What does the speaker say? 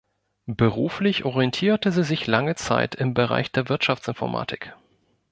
Beruflich orientierte sie sich lange Zeit im Bereich der Wirtschaftsinformatik.